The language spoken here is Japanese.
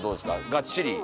がっちり？